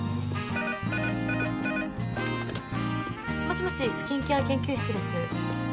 もしもしスキンケア研究室です。